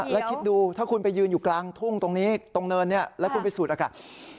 แล้วคิดดูถ้าคุณไปยืนอยู่กลางทุ่งตรงนี้ตรงเนินแล้วคุณไปสูดอากาศ